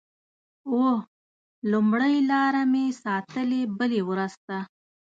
اوه…لومړۍ لاره مې ساتلې بلې ورځ ته